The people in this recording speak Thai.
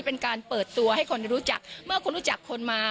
เป็นการเปิดตัวให้คนรู้จักเมื่อคนรู้จักคนมา